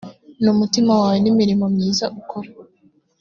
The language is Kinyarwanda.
ni umutima wawe n’imirimo myiza ukora